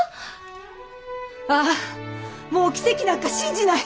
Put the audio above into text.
ああもう奇跡なんか信じない！